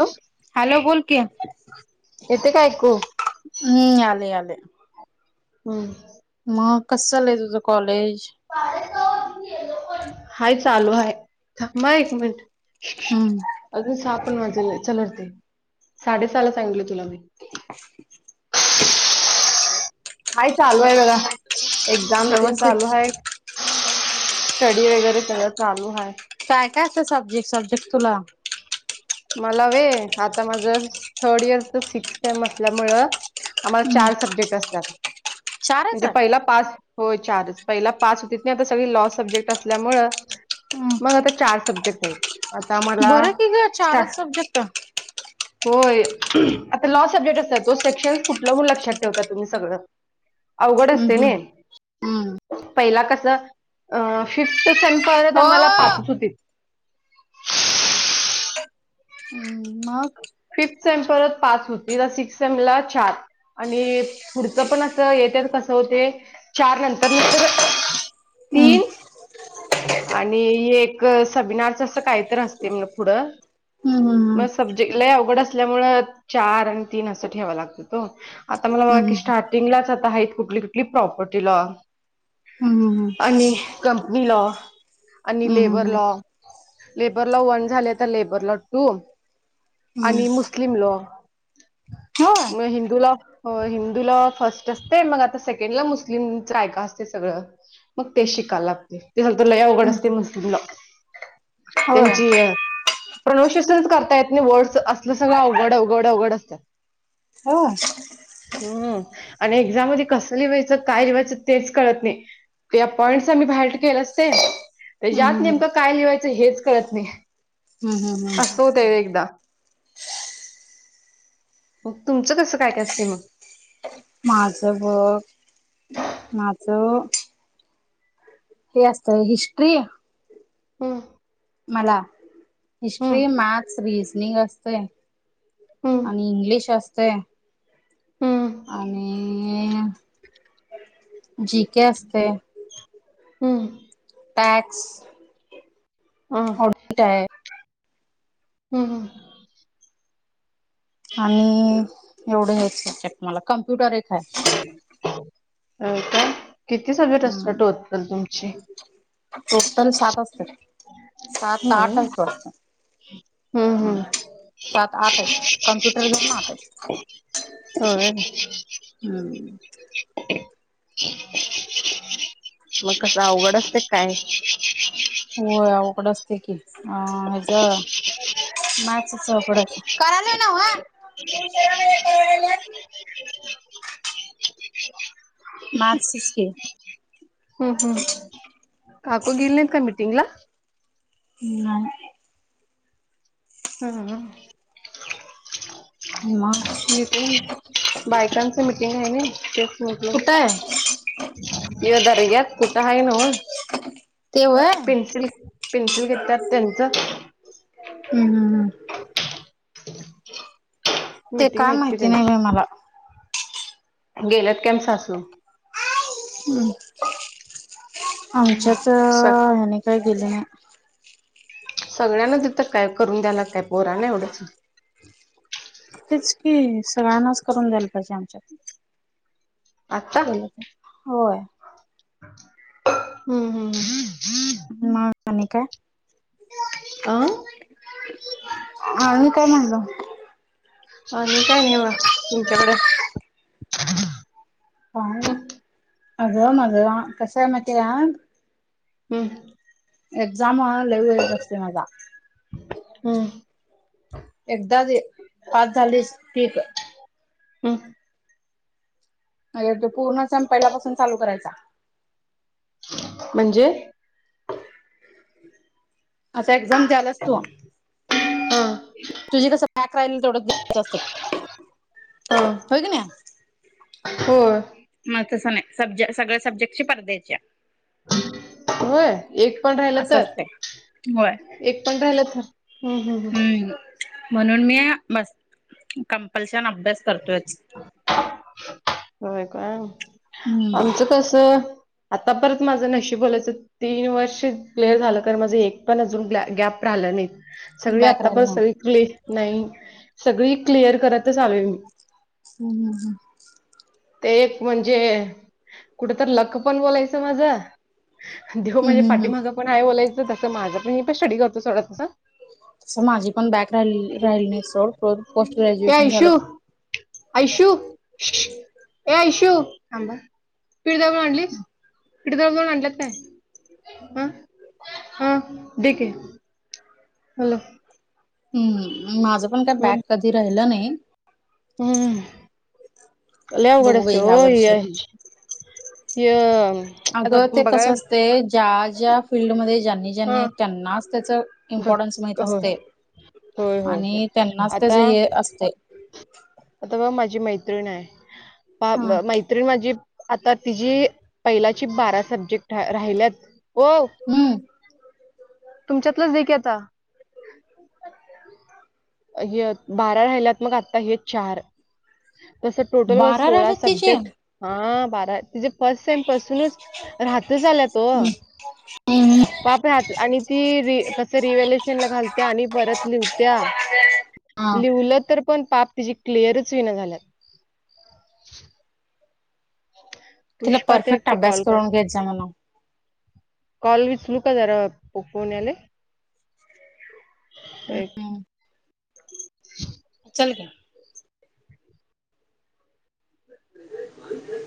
Hello hello बोल की येते का ऐकू मी आले आले. हम्म. म कसं चाललंय तुझं कॉलेज? हाय चालू आहे थांबा एक मिनट. हम्म. अगं सहा पण वाजले चल वरती साडे सहाला सांगले तुला मी. [inaudible] हा चालू आहे बघा एक्झाम तेन व्यवस्थित चालू आहे. स्टडी वगैरे सगळं चालू आहे. काय-काय असं सब्जेक्ट सब्जेक्ट तुला? मला वे आता माझं थर्ड इयरचा सिक्स सेम असल्यामुळं आम्हाला हम्म चार सब्जेक्ट असत्यात चारच म्हणजे आहे पहिला पाच होय चारच पहिला पाच होतीत ना आता सगळी लॉ सब्जेक्ट असल्यामुळं मग हम्म आता चार सब्जेक्ट आहेत आता मला बरं की ग स्टा चारच सब्जेक्ट होय आता लॉ सब्जेक्ट असतात तो सेक्शनस कुठलं वून लक्षात ठेवता तुम्ही सगळं. अवघड हम्म असते हम्म ने हम्म पहिला कसं अ फिफ् ते [unintelligible] हो आम्हाला पाचच होतीत. हम्म मगं? फिफ्थ सेम परत पास होती तर सिक्स्थ सेम ला चार आणि पुढचं पण असं येतत कसं होते चार नंतर [inaudible] हम्म तीन आणि एक सबीनारचा असं काहीतर असतं म पुढं हम्म हम्म मग हम्म. सब्जेक्ट लय अवघड असल्यामुळे चार आणि तीन असं ठेवा लागतो तो आता मला बघा हम्म की स्टार्ट टिंगलाच आता आहेत कुठली-कुठली प्रॉपर्टीला हम्म हम्म आणि कंपनी लॉ आणि hmm labour hmm hmm law labour law one झाले तर labour law two hmm hmm आणि मुस्लिम लॉ होय म हिंदू लॉ हो हिंदू लॉ फर्स्ट असते मग आता सेकंडला मुस्लिमचं काय का असते सगळं. मग ते शिका लागते ते हलतर अवघड असते हम्म मुस्लिम लॉ. होय त्यांची हे प्रॉन्युन्सियेशनचं कर त्यातने वर्ड असलं सगळं अवघड अवघड अवघड असत्यात. हो. हम्म आणि एक्झाम मध्ये कसं लिवायचं काय लिवायचं तेच कळत नाही. त्या पॉइंटस आम्ही बायहर्ट केलं असते तेज्या आत हम्म नेमकं काय लिवायचं हेच कळत नाही. हम्म हम्म हम्म. तेव एकदा मग तुमचं कसं काय-काय असते मग? माझं बघ माझं हे असतं हिस्ट्री हम्म. मला हिस्ट्री, हम्म मॅथ्स, रिजनिंग असतय हम्म आणि इंग्लिश असतय. हम्म आणि जी के असतय. हम्म. टॅक्स हं ऑडिट आहे. हम्म हम्म. आणि एवढं एक सबजेक्ट मला कम्प्युटर एक आहे. हो का किती सब्जेक्ट असतात टोटल तुमची? टोटल सात असत्यात, सात आठ हम्म आहेत वाटतं. हम्म सात आठ आहेत कम्प्युटर दरून आठ आहेत होय हम्म [inaudible] मग कस अवघड असते काय? होय अवघड असते की याचं मॅथ्सच अवघड असत [inaudible] [unintelligible] मॅथ्सच की हम्म हम्म काको गेले नाहीत का मीटिंगला? हम्म नाय हम्म हम्म हम्म मग मीटिंग बायकांच मीटिंग आहे ना ते म्हटलं कुठं आहे ये दरग्यात कुठं आहे नव ते व्हय हम्म पिनसिल पिनसिल केत त्यांचं हम्म हम्म हम्म ते मिटिंग काय आहेत की माहिती नाही बाई त्यांची मला गेल्यात कम सासू? हम्म आमच्यात स हेनी काय गेले नाही. सगळ्यांना तिथ काय करून द्याला काय पोरा ना एवढंच तेच की सगळ्यांनाच करून द्यायला पाहिजे आमच्यात आता केलं तर होय. हम्म हम्म हम्म मग आणि काय? हम्म अं आही काय म्हणल आणि काय नाही म तुमच्याकडे काय नई अगं माझं कसय माहिती आहे काय? हम्म एक्झाम लई वेळ नसते माझा. हम्म एकच यार पाच झालीस पीक हम्म अगे तो पूर्ण सम पहिलापासून चालू करायचा म्हणजे आता एक्झाम देआलास तू? हा तुझं कसं बॅक राहिलेलं तेवढेच द्यायचं हा असत्यात होय की नाही? होय. नाही तस नाही सब्जट सगळ्या सब्जेक्टची परद्यायच्या होय एक पण राहिलं असं तर? असतय होय एक पण राहिलं तर हम्म हम्म हम्म. म्हणून मी मस कंपल्शन अभ्यास करतोयच होय का आमचं हम्म कस, आता परत माझं नशी बोलायचं तीन वर्ष क्लिअर झालं कारण म्हणजे एक पण अजून गॅप राहिलं नाही. सगळी बॅक राहिला आतापण नाही सळी क्लि नाही सगळी क्लिअर करतच आले मी हम्म हम्म हम्म. ते एक म्हणजे कुठ तर लक पण बोलायचं माझं देव माझे हम्म हम्म पाठी हम्म माझं पण आहे बोलायचं तसं माझं पण हे पण स्टडी करतो थोडं तसं तसं माझी पण बॅक राहि राहिली नाही तस पोस्ट ए ग्रॅज्युएशन झालं. ऐशू ऐशू ए ऐशू थांब पीठ दळून आणलीस? हिकडन पण आणल्यात काय? हा, हा दे की. हॅलो. हम्म माझं पण काय हम्म बॅक कधी राहिलं नाही. हम्म लय अवघड बघू असते बाई ओ ह्या वर्षी याज यम अगं ते कसं असते ज्या ज्या फिल्डमध्ये ज्यांनी हा ज्यांनी त्यांनाच त्याचा ब इम्पॉर्टन्स माहीत होय असते होय होय होय आणि त्यांनाच आता तेज्या हे असतय. आता बघ माझी मैत्रीण आहे पा ब मै तरी माझी आता तिजी पहिलाची बारा सब्जेक्ट राही राहिल्यात ओ. हम्म. तुमच्यातलं जिक आहे आता. अ य बारा राहिल्यात मग आता हे चार तसं टोटल व बारा सोळा राहिलेत तिचे सब्जेक्ट हा बारा तिजे फर्स्ट सेम पासूनच राहातो झाल्या तो हम्म हम्म पाप हात आणि ती री कसं रिवेलेशन ला घालत्या आणि परत लिहवत्या हा लिव्हलं तर पण पाप तिची क्लिअरच वि ना झाल्यात. पुष्पा ते एकटे कॉल कर. चांगलाव कॉल विचलुका जरा फो फोन याले एक [inaudible] चल घ्या [inaudible]